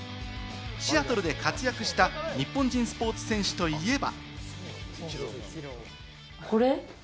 シアトルで活躍した日本人スポーツ選手といえば。